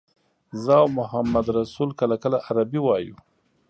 زه او محمدرسول کله کله عربي وایو.